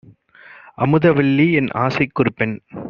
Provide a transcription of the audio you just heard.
"அமுத வல்லிஎன் ஆசைக் கொருபெண்!